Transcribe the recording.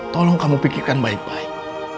tolong kamu pikirkan baik baik